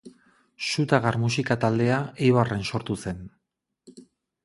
Su ta Gar musika taldea Eibarren sortu zen.